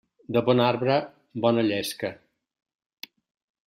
De bon arbre, bona llesca.